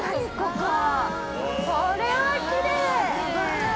これはきれーい。